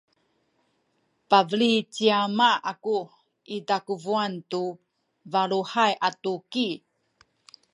pabeli ci ama aku i takuwan tu baluhay a tuki